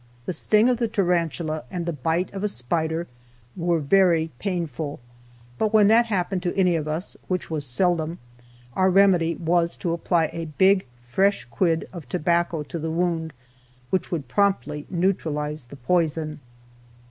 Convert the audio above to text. The sting of the tarantula, and the bite of a spider, were very painful, but when that happened to any of us (which was seldom), our remedy was to apply a big, fresh quid of tobacco to the wound, which would promptly neutralize the poison.